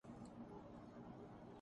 تم یہاں سے چلے جاؤ